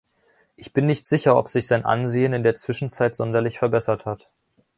Ich bin nicht sicher, ob sich sein Ansehen in der Zwischenzeit sonderlich verbessert hat.